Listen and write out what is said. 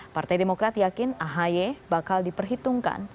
partai demokrat yakin ahy bakal diperhitungkan